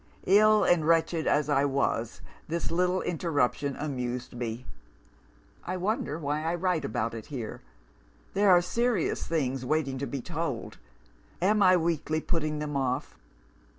Ill and wretched as I was, this little interruption amused me. I wonder why I write about it here? There are serious things waiting to be told am I weakly putting them off?